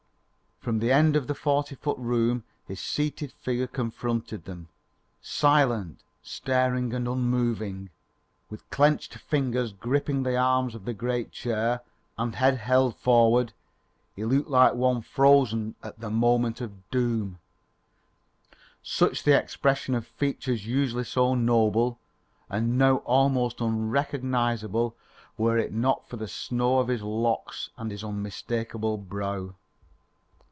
From the end of the forty foot room, his seated figure confronted them, silent, staring and unmoving. With clenched fingers gripping the arms of his great chair, and head held forward, he looked like one frozen at the moment of doom, such the expression of features usually so noble, and now almost unrecognisable were it not for the snow of his locks and his unmistakable brow.